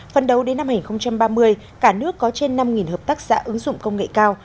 phần đầu đến năm hai nghìn ba mươi cả nước có trên năm hợp tác xã ứng dụng công nghệ cao